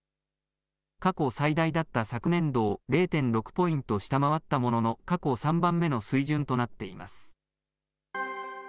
過去最大だった昨年度を０．６ポイント下回ったものの、過去３番目の水準となっています。